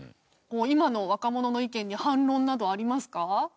今の若者の意見に反論などありますか？